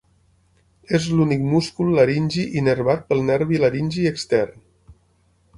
És l'únic múscul laringi innervat pel nervi laringi extern.